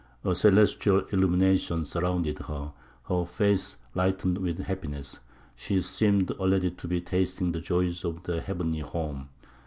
"A celestial illumination surrounded her; her face lightened with happiness; she seemed already to be tasting the joys of the heavenly home....